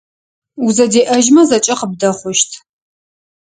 Узэдеӏэжьмэ зэкӏэ къыбдэхъущт.